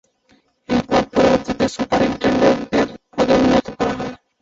এই পদ পরবর্তীতে সুপারিন্টেডেন্টের পদে উন্নীত করা হয়।